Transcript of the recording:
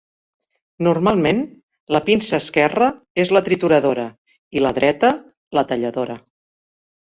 Normalment, la pinça esquerra és la trituradora i la dreta, la talladora.